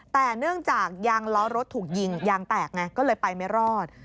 แต่เนื่องจากยางล้อรถถูกยิงยางแตกไงก็เลยไปไม่รอด